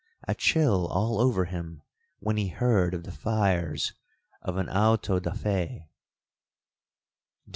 a chill all over him when he heard of the fires of an auto da fe.